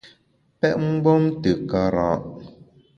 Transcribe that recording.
Pèt mgbom te kara’ !